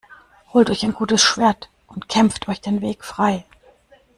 Holt euch ein gutes Schwert und kämpft euch den Weg frei!